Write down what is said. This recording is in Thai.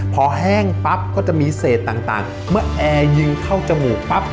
พอแห้งปั๊บก็จะมีเศษต่างเมื่อแอร์ยิงเข้าจมูกปั๊บ